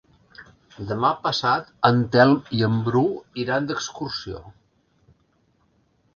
Demà passat en Telm i en Bru iran d'excursió.